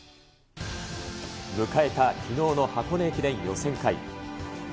迎えたきのうの箱根駅伝予選会。